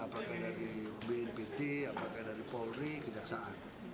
apakah dari bnn bnpt polri kejaksaan